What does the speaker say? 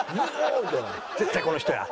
「絶対この人や！」